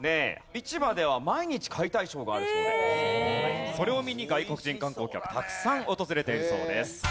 市場では毎日解体ショーがあるそうでそれを見に外国人観光客たくさん訪れているそうです。